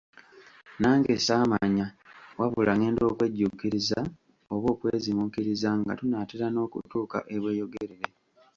Nange saamanya, wabula ngenda okwejjuukiriza oba okweziimuukiriza nga tunaatera n'okutuuka e Bweyogerere.